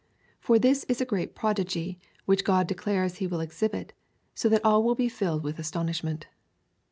For this is a great prodigy which God declares he will exhibit, so that all will be filled with astonishment.